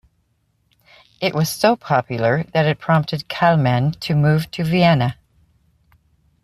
It was so popular that it prompted Kalman to move to Vienna.